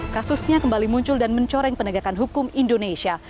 kasusnya kembali muncul dan mencoreng penegakan hukum indonesia